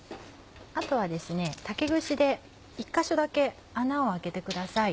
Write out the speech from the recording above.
あとは竹串で１か所だけ穴を開けてください。